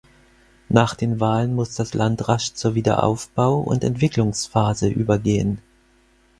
Nach den Wahlen muss das Land rasch zur Wiederaufbau- und Entwicklungsphase übergehen.